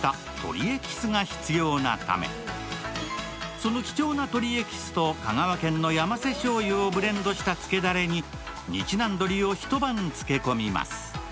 その貴重な鶏エキスと香川県のヤマセ醤油をブレンドした漬けだれに日南どりを一晩漬け込みます。